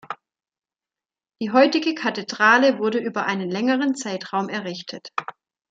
Die heutige Kathedrale wurde über einen längeren Zeitraum errichtet.